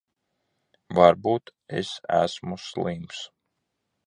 Varbūt es esmu slims.